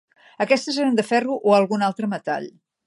Aquestes eren de ferro o algun altre metall.